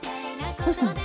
どうしたの？